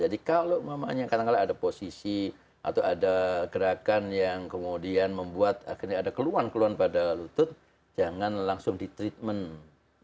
jadi kalau memangnya kadang kadang ada posisi atau ada gerakan yang kemudian membuat akhirnya ada keluhan keluhan pada lutut jangan langsung di treatment